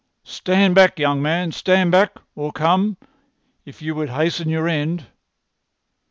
"Stand back, young man! Stand back! Or come—if you would hasten your end."